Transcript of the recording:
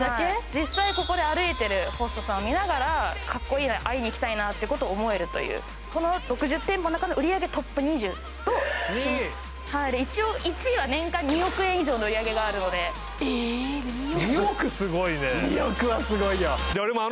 実際ここで歩いてるホストさんを見ながらかっこいいな会いに行きたいなということを思えるという６０店舗の中の売り上げトップ２０と一応１位は年間２億円以上の売り上げがあるので１００万